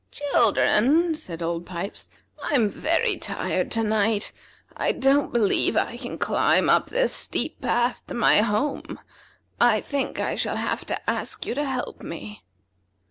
"Children," said Old Pipes, "I'm very tired tonight, and I don't believe I can climb up this steep path to my home. I think I shall have to ask you to help me."